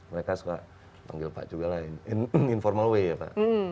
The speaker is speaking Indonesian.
mereka suka panggil pak juga lain informal way ya pak